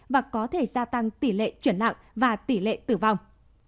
và có thể gia tăng tỷ lệ chuyển nặng và tỷ lệ tử vong